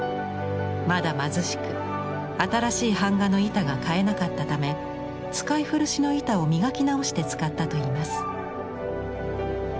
まだ貧しく新しい版画の板が買えなかったため使い古しの板を磨き直して使ったといいます。